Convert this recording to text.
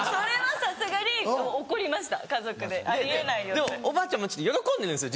でもおばあちゃんもちょっと喜んでるんですよ